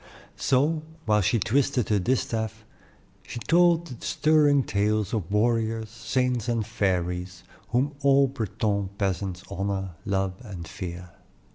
So, while she twisted her distaff, she told the stirring tales of warriors, saints, and fairies, whom all Breton peasants honor, love, and fear.